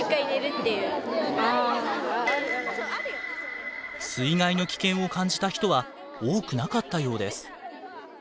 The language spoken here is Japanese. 水害の危険を感じた人は多くなかったようです。